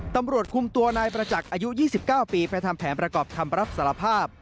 ตำรวจคุมตัวนายประจักษ์อายุ๒๙ปีไปทำแผนประกอบคำรับสารภาพ